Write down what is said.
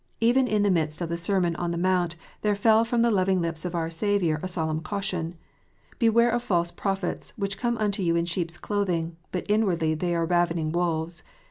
Even in the midst of the Sermon on the Mount there fell from the loving lips of our Saviour a solemn caution :" Beware of false prophets, which come unto you in sheep s clothing, but inwardly they are ravening wolves."